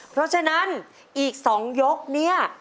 เพราะฉะนั้นอีกสองยกนี้